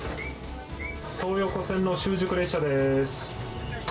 東横線の習熟列車です。